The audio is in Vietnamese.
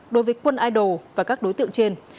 đối với quân idol và các đối tượng trên